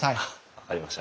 分かりました。